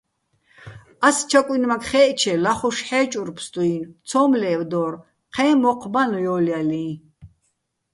ას ჩაკუჲნმაქ ხაე̆ჸჩე ლახუშ ჰ̦ე́ჭურ ფსტუ́ჲნო̆, ცო́მ ლე́ვდო́რ, ჴეჼ მოჴ ბაჼ ჲო́ლჲალიჼ.